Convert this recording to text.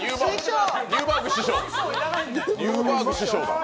ニューバーグ師匠だ！